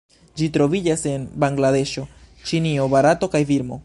Ĝi troviĝas en Bangladeŝo, Ĉinio, Barato kaj Birmo.